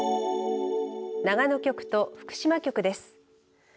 長野局と福島局です。